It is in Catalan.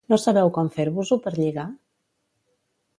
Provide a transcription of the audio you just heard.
No sabeu com fer-vos-ho per lligar?